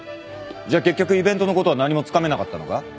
じゃあ結局イベントのことは何もつかめなかったのか？